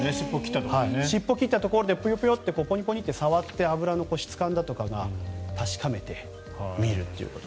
尻尾を切ったところでプヨプヨ、ポニポニと触って脂の質感だとかを確かめてみるということで。